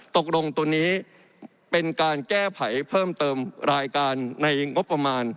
ตกลงตัวนี้เป็นการแก้ไขเพิ่มเติมรายการในงบประมาณ